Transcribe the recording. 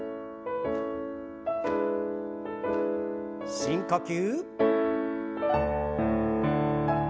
深呼吸。